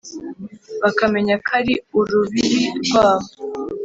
bakamenya ko ari urubibi rwabo